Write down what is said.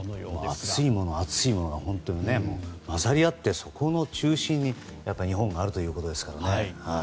暑いものと暑いものが混ざり合ってそこの中心に日本があるということですから。